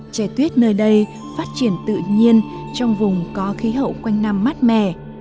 trẻ tuyết nơi đây phát triển tự nhiên trong vùng có khí hậu quanh năm mát mẻ